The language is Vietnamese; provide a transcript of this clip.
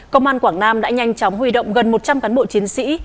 công an quảng nam đã nhanh chóng huy động gần một trăm linh cán bộ chiến sĩ